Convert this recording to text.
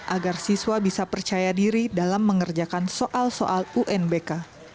agar siswa bisa percaya diri dalam mengerjakan soal soal unbk